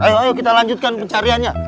ayo ayo kita lanjutkan pencariannya